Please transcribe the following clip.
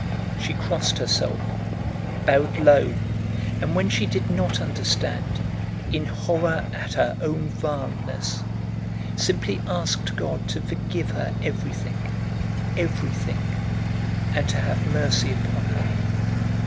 She crossed herself, bowed low, and when she did not understand, in horror at her own vileness, simply asked God to forgive her everything, everything, to have mercy upon her.